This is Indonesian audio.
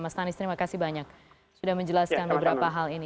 mas tanis terima kasih banyak sudah menjelaskan beberapa hal ini